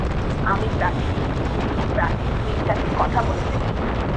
আমি প্রচীন হিন্দু ও প্রাচীন গ্রীকজাতির কথা বলিতেছি।